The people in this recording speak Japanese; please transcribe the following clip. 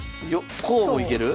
こうも行ける？